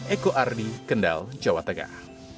eko ardi kendal jawa tengah